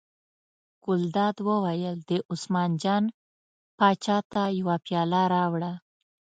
ګلداد وویل: دې عثمان جان پاچا ته یوه پیاله راوړه.